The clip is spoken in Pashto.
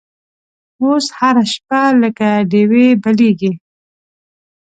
اوس هره شپه لکه ډیوې بلیږې